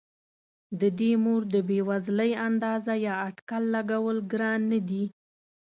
د دې مور د بې وزلۍ اندازه یا اټکل لګول ګران نه دي.